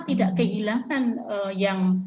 tidak kehilangan yang